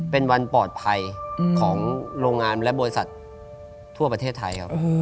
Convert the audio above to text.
เป็นวันปลอดภัยของโรงงานและบริษัททั่วประเทศไทยครับ